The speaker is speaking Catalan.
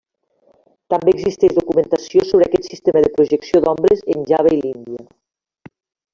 També existeix documentació sobre aquest sistema de projecció d'ombres en Java i l'Índia.